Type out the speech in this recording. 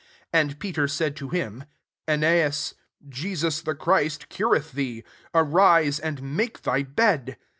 34 And Pe ter said to him, " Eneas, Jesus the Christ, cureth thee: arise, and make thy bed."